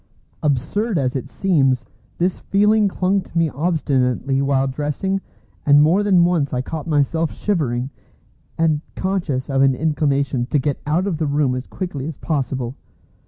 Absurd as it seems, this feeling clung to me obstinately while dressing, and more than once I caught myself shivering, and conscious of an inclination to get out of the room as quickly as possible.